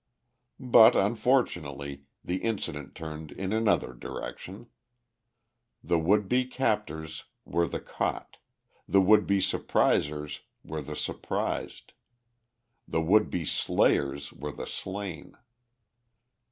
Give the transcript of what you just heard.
But unfortunately, the incident turned in another direction. The would be captors were the caught; the would be surprisers were the surprised; the would be slayers were the slain.